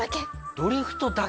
ドリフトだけ。